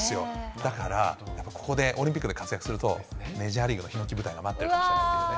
だから、やっぱりここで、オリンピックで活躍すると、メジャーリーグのひのき舞台が待ってるって感じですかね。